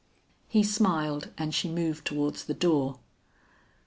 He smiled and she moved towards the door.